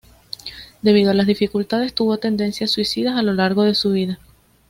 Debido a las dificultades tuvo tendencias suicidas a lo largo de su vida.